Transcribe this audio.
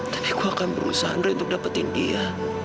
tapi gue akan berusaha ndre untuk dapetin dia